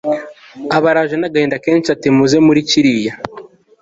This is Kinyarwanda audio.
aba araje nagahinda kenshi ati muze muri cyiriya